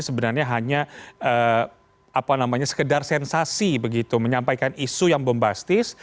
sebenarnya hanya sekedar sensasi begitu menyampaikan isu yang bombastis